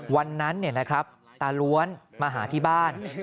วันนั้นเนี่ยนะครับตาร้วนมาหาที่บ้าน